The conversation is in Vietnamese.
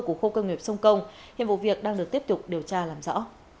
của khu công nghiệp sông công hiện vụ việc đang được tiếp tục điều tra làm rõ